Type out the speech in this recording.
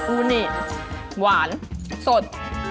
อูนิหวานสด